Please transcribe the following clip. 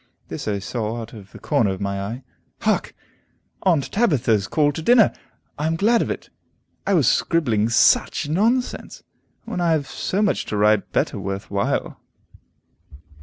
This I saw out of the corner of my eye. Hark! Aunt Tabitha's call to dinner. I am glad of it. I was scribbling such nonsense, when I have so much to write better worth while.